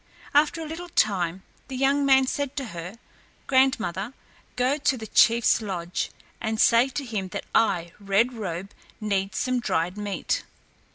After a little time, the young man said to her, "Grandmother, go to the chief's lodge and say to him that I, Red Robe, need some dried meat."